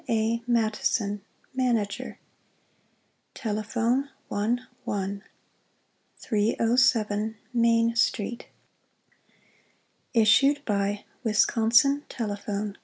A. MATTISON, Manager Telephone 11 307 Main Street ISSUED BY Wisconsin Telephone Co.